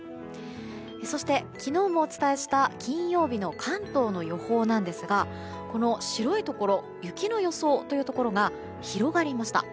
そして、昨日もお伝えした金曜日の関東の予報なんですが白いところ、雪の予想というところが広がりました。